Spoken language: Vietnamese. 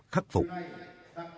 các doanh nghiệp